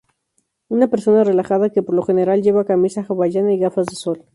Una persona relajada que por lo general lleva camisa hawaiana y gafas de sol.